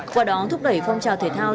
qua đó thúc đẩy phong trào thể thao